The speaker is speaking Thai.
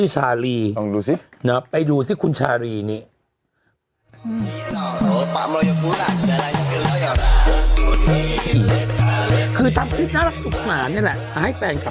ชาลีเพื่อน